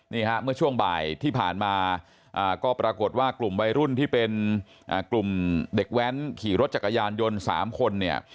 นี่ฮะเมื่อช่วงบ่ายที่ผ่านมาก็ปรากฏว่ากลุ่มวัยรุ่นที่เป็นกลุ่มเด็กแว้นขี่รถจักรยานยนต์๓คนเนี่ย